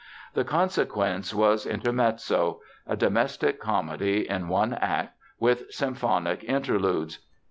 The consequence was Intermezzo, a domestic comedy in one act with symphonic interludes.